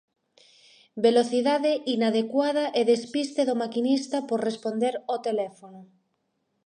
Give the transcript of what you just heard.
Velocidade inadecuada e despiste do maquinista por responder ao teléfono.